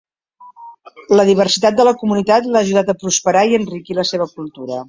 La diversitat de la comunitat l'ha ajudat a prosperar i a enriquir la seva cultura.